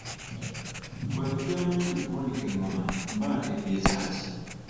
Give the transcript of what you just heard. Bwe nkugamba nti vuunika engoma mba ntegeeza ki?